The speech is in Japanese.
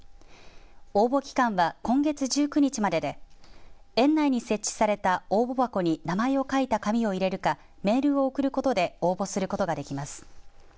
応募期間は今月１９日までで園内に設置された応募箱に名前を書いた紙を入れるかメールを送ることで応募することができます。